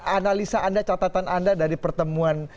analisa anda catatan anda dari pertemuan